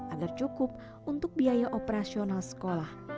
agar cukup untuk biaya operasional sekolah